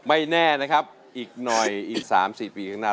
ไม่แน่นะครับอีกน้อยอีกสามสี่ปีข้างหน้า